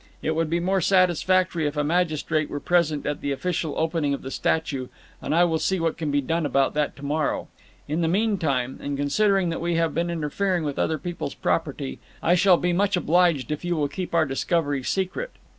"It would be more satisfactory if a magistrate were present at the official opening of the statue, and I will see what can be done about that to morrow. In the meantime, and considering that we have been interfering with other people's property, I shall be much obliged if you will keep our discovery secret."